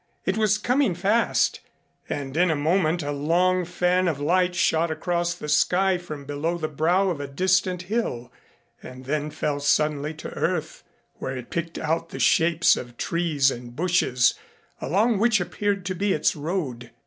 It was coming fast, and in a moment a long fan of light shot across the sky from below the brow of a distant hill and then fell suddenly to earth, where it picked out the shapes of trees and bushes along what appeared to be its road.